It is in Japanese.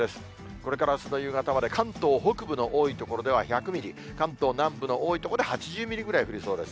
これからあすの夕方まで、関東北部の多い所では１００ミリ、関東南部の多い所で８０ミリぐらい降りそうです。